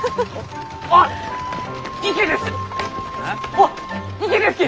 あっ池ですき！